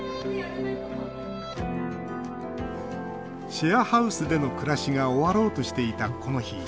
シェアハウスでの暮らしが終わろうとしていた、この日。